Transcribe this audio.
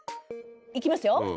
いきますよ。